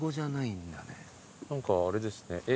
何かあれですね